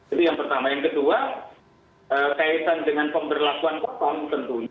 jadi yang pertama yang kedua kaitan dengan pemberlakuan pekom tentunya